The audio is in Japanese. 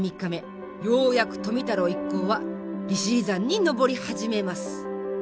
ようやく富太郎一行は利尻山に登り始めます。